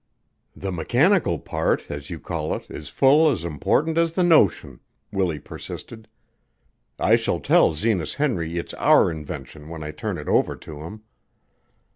"The mechanical part, as you call it, is full as important as the notion," Willie persisted. "I shall tell Zenas Henry it's our invention when I turn it over to him."